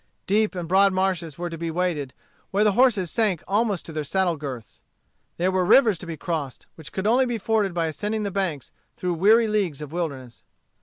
Deep and broad marshes were to be waded, where the horses sank almost to their saddle girths. There were rivers to be crossed, which could only be forded by ascending the banks through weary leagues of wilderness.